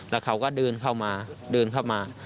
แล้วเขาก็เดินเข้ามาเดินเข้ามา